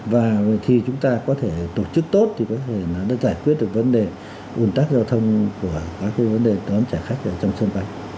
và khi chúng ta có thể tổ chức tốt thì có thể đã giải quyết được vấn đề ủn tắc giao thông của các cái vấn đề đón trả khách ở trong sân bay